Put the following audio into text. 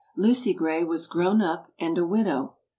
Lucy Gray was grown up and a widow!